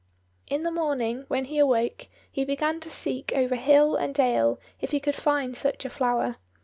In the morning, when he awoke, he began to seek over hill and dale if he could find such a flower.